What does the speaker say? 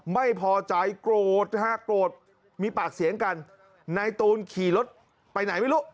ไม่พอใจโกรธนะฮะโกรธมีปากเสียงกันนายตูนขี่รถไปไหนไม่รู้